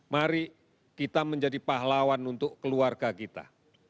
mari kita menjadi pahlawan untuk keluarga kita